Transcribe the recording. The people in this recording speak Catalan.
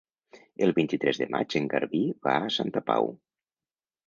El vint-i-tres de maig en Garbí va a Santa Pau.